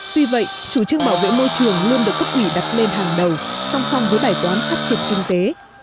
tuy vậy chủ trương bảo vệ môi trường luôn được cấp quỷ đặt lên hàng đầu song song với bài toán phát triển kinh tế